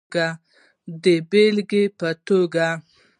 د بیلګی په توکه